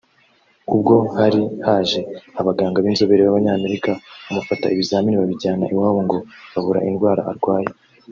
ubwo hari haje abaganga b’inzobere b’Abanyamerika bamufata ibizamini babijyana iwabo ngo babura indwara arwaye